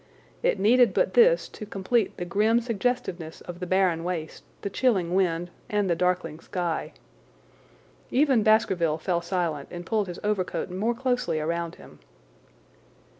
It needed but this to complete the grim suggestiveness of the barren waste, the chilling wind, and the darkling sky. Even Baskerville fell silent and pulled his overcoat more closely around him.